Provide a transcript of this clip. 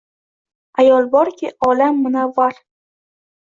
Ayol borki, olam munavvar!